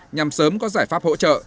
nhằm sớm có giải pháp hỗ trợ